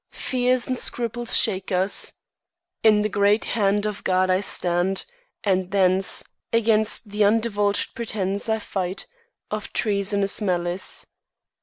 Fears and scruples shake us; In the great hand of God I stand; and, thence, Against the undivulg'd pretence I fight Of treasonous malice.